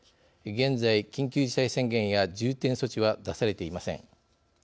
現在、緊急事態宣言や重点措置は出されていません。